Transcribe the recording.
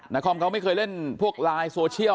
คอมเขาไม่เคยเล่นพวกไลน์โซเชียล